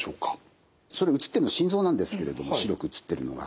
それ写ってるの心臓なんですけれども白く写ってるのが。